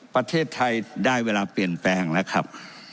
ประเทศไทยได้เวลาเปลี่ยนแปลงแล้วครับ